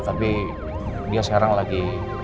tapi dia sekarang lagi